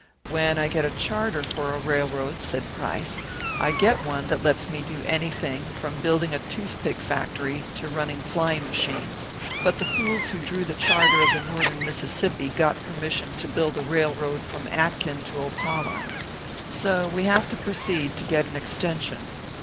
"When I get a charter for a railroad," said Price, "I get one that lets me do anything from building a toothpick factory to running flying machines. But the fools who drew the charter of the Northern Mississippi got permission to build a railroad from Atkin to Opala. So we have to proceed to get an extension.